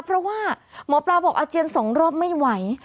เพราะว่าหมอปลาบอกอาเจียน๒รอบไม่ไหว